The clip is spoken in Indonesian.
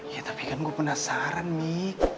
ya tapi kan gue penasaran nih